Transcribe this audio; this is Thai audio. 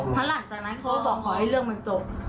เพราะหลังจากนั้นเขาก็บอกขอให้เรื่องมันจบ